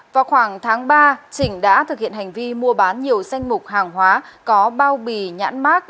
vào khoảng tháng ba chỉnh đã thực hiện hành vi mua bán nhiều danh mục hàng hóa có bao bì nhãn mát